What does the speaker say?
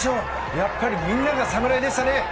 やっぱりみんなが侍でしたね！